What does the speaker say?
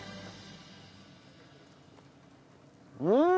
うん！